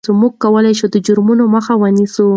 موږ کولای شو د جرمونو مخه ونیسو.